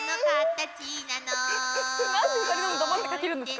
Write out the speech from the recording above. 何で２人とも黙って描けるんですか？